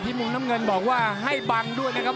มุมน้ำเงินบอกว่าให้บังด้วยนะครับ